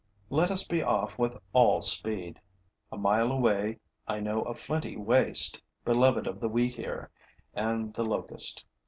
Let us be off with all speed. A mile away, I know a flinty waste beloved of the wheatear and the locust.